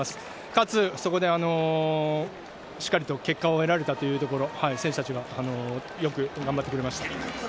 かつ、そこでしっかりと結果を得られたというところ、選手たちがよく頑張ってくれました。